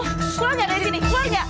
keluar nggak dari sini keluar nggak